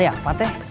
mau cari apa teh